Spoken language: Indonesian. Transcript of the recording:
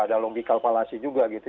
ada logikal kalasi juga gitu